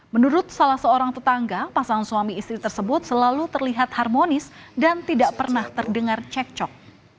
menurut salah seorang tetangga pasangan suami istri tersebut selalu terlihat harmonis dan tidak pernah terdengar cekcok